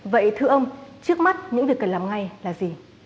vậy thưa ông trước mắt những việc cần làm ngay là gì